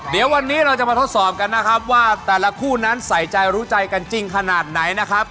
เดี๋ยววันนี้เราจะมาทดสอบกันนะครับว่าแต่ละคู่นั้นใส่ใจรู้ใจกันจริงขนาดไหนนะครับ